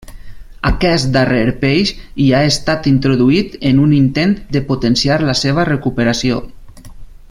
Aquest darrer peix hi ha estat introduït en un intent de potenciar la seva recuperació.